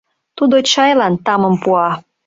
Тудо чайлан тамым пуа.